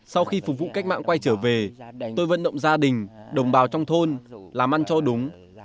sau khi phục vụ cách mạng quay trở về tôi vận động gia đình đồng bào trong thôn làm ăn cho đúng